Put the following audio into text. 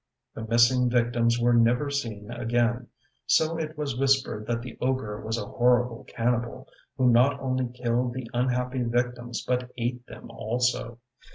The missing victims were never seen again, so it was whispered that the ogre was a horrible cannibal, who not only killed the unhappy victims but ate them also.